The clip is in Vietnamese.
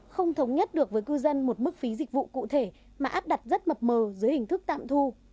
không thống nhất được với cư dân một mức phí dịch vụ cụ thể mà áp đặt rất mập mờ dưới hình thức tạm thu